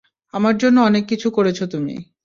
আমার জন্য অনেক কিছু করেছো তুমি।